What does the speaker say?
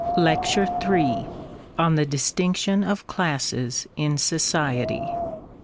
(37) LECTURE III. ON THE DISTINCTION OF CLASSES IN SOCIETY.